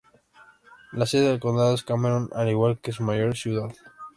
La sede del condado es Cameron, al igual que su mayor ciudad.